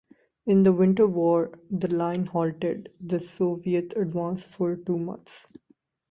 In the Winter War the Line halted the Soviet advance for two months.